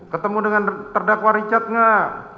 ketemu dengan terdakwa richard nggak